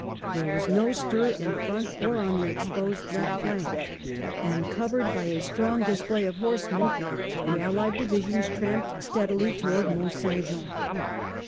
There was no stir in front or on the exposed left flank ; and, 214 WELLINGTON chap. covered by a strong display of horsemen, the Allied divisions tramped steadily towards Mont St Jean.